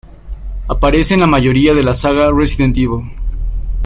Aparece en la mayoría de la saga Resident Evil.